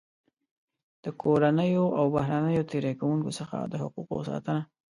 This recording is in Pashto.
د کورنیو او بهرنیو تېري کوونکو څخه د حقوقو ساتنه.